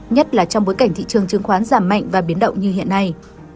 nhất là trong bối cảnh thị trường chứng khoán giảm mạnh và biến động như hiện nay